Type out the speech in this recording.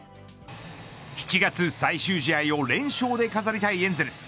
７月最終試合を連勝で飾りたいエンゼルス。